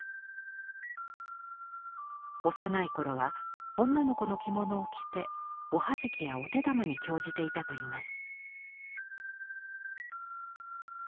幼い頃は女の子の着物を着ておはじきやお手玉に興じていたといいます。